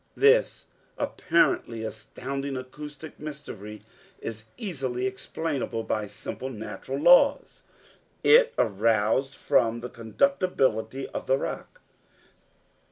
This apparently astounding acoustic mystery is easily explainable by simple natural laws; it arose from the conductibility of the rock.